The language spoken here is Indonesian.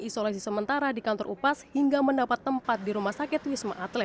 isolasi sementara di kantor upas hingga mendapat tempat di rumah sakit wisma atlet